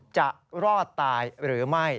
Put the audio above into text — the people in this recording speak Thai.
จะรอดตายหรือไม่